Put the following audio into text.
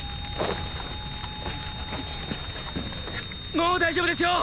もう大丈夫ですよ。